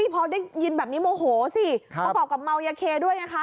พอได้ยินแบบนี้โมโหสิบ่มัลยะเคด้วยนะคะ